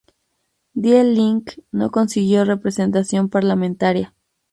Die Linke no consiguió representación parlamentaria.